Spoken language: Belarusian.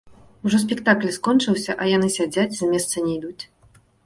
Ужо спектакль скончыўся, а яны сядзяць, з месца не ідуць.